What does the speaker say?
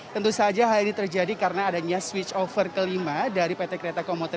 tentu saja hal ini terjadi karena adanya switch over kelima dari pt kereta komuter